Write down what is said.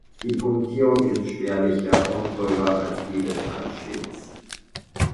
Die Punktierung ist spärlicher und gröber als die des Halsschilds.